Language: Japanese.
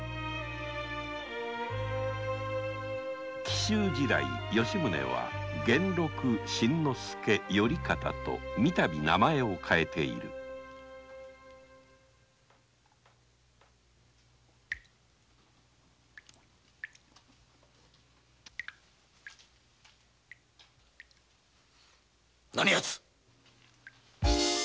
紀州時代吉宗は源六新之助頼方と３度名前を変えている何ヤツ！